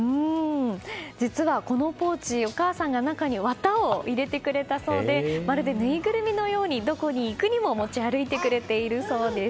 実はこのポーチお母さんが中に綿を入れてくれたそうでまるでぬいぐるみのようにどこに行くにも持ち歩いてくれてるそうです。